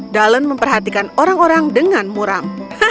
dalen memperhatikan orang orang dengan muram